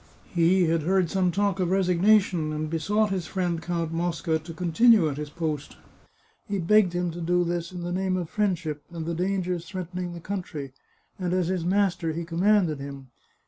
He had heard some talk of resignation, and besought his friend Count Mosca to continue at his post. He begged him to do this in the name of friendship, and the dangers threatening the country, and as his master, he commanded him.